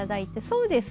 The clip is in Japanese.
そうです。